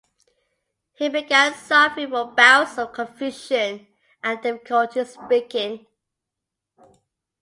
He began suffering from bouts of confusion and difficulty speaking.